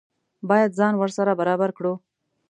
باید ځان ورسره برابر کړو.